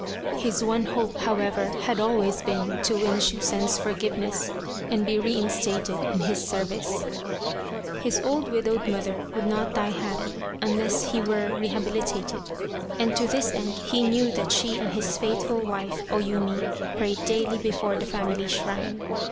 His one hope, however, had always been to win Shusen's forgiveness and be re instated in his service. 3 The Quest of the Sword His old widowed mother would not die happy unless he were rehabilitated, and to this end he knew that she and his faithful wife, O Yumi, prayed daily before the family shrine.